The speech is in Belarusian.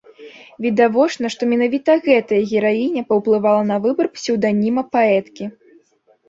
Відавочна, што менавіта гэтая гераіня паўплывала на выбар псеўданіма паэткі.